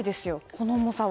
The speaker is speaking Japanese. この重さは。